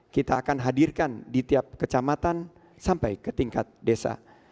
kita akan hadirkan di tiap kecamatan sampai ke tingkat desa